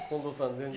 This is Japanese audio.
全然。